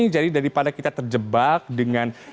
jadi daripada kita terjebak dengan